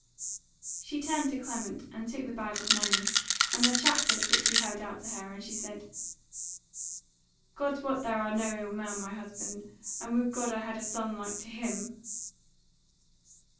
She turned to Clement, and took the bag of money, and the chaplet which he held out to her, and she said: "God wot thou art no ill man, my husband, but would God I had a son like to him!"